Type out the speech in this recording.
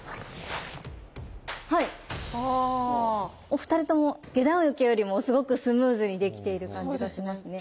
お二人とも下段受けよりもすごくスムーズにできている感じがしますね。